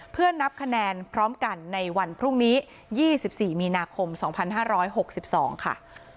เพื่อนับคะแนนพร้อมกันในวันพรุ่งนี้๒๔มีนาคม๒๕๖๒ค่ะ